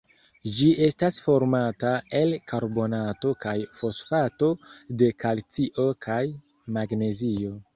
Ĝi estas formata el karbonato kaj fosfato de kalcio kaj magnezio.